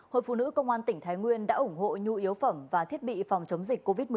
hội phụ nữ công an tỉnh thái nguyên đã ủng hộ nhu yếu phẩm và thiết bị phòng chống dịch covid một mươi chín